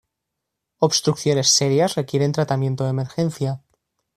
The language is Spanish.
Obstrucciones serias requieren tratamiento de emergencia.